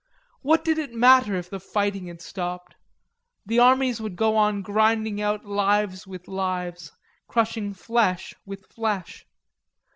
What did it matter if the fighting had stopped? The armies would go on grinding out lives with lives, crushing flesh with flesh.